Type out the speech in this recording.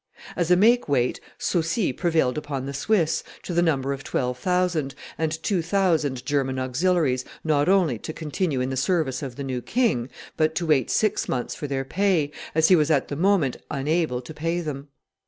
As a make weight, Saucy prevailed upon the Swiss, to the number of twelve thousand, and two thousand German auxiliaries, not only to continue in the service of the new king, but to wait six months for their pay, as he was at the moment unable to pay them.